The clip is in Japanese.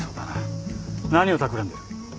何をたくらんでる？